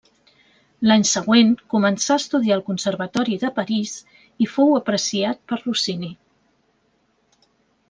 L'any següent començà a estudiar al Conservatori de París i fou apreciat per Rossini.